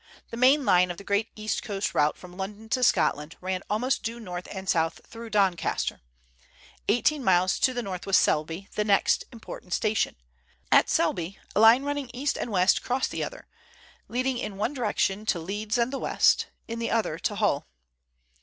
The main line of the great East Coast route from London to Scotland ran almost due north and south through Doncaster. Eighteen miles to the north was Selby, the next important station. At Selby a line running east and west crossed the other, leading in one direction to Leeds and the west, in the other to Hull.